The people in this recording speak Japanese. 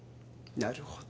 なるほど。